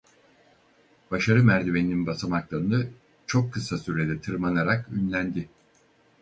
Başarı merdiveninin basamaklarını çok kısa sürede tırmanarak ünlendi.